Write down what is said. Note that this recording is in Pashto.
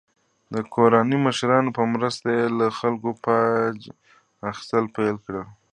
د ګوراني مشرانو په مرسته یې له خلکو باج اخیستل پیل کړل.